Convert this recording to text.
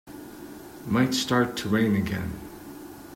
Might start to rain again.